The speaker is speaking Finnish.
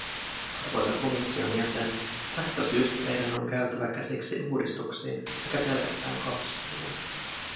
Arvoisa komission jäsen, tästä syystä teidän on käytävä käsiksi uudistuksiin eikä pelkästään kasvuun.